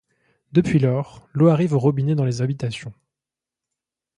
Depuis lors, l'eau arrive au robinet dans les habitations.